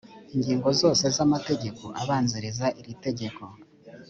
ingingo zose z’amategeko abanziriza iri tegeko